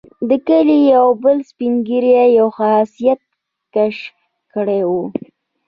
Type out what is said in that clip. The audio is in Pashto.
د کلي یو بل سپین ږیري یو خاصیت کشف کړی وو.